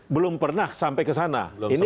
belum pernah sampai ke sana